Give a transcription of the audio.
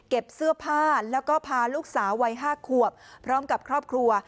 เสื้อผ้าแล้วก็พาลูกสาววัย๕ขวบพร้อมกับครอบครัว